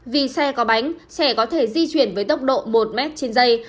vì xe có bánh xe có thể di chuyển với tốc độ một m trên dây